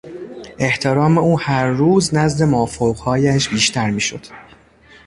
احترام او هر روز نزد مافوقهایش بیشتر میشد.